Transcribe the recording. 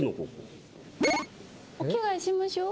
お着替えしましょう。